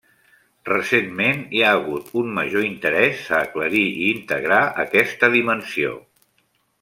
Recentment, hi ha hagut un major interès a aclarir i integrar aquesta dimensió.